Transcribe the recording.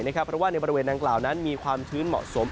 เพราะว่าในบริเวณดังกล่าวนั้นมีความชื้นเหมาะสม